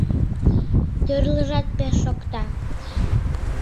Тӱрлыжат пеш шокта: